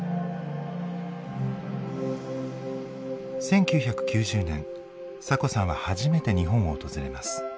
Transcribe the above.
１９９０年サコさんは初めて日本を訪れます。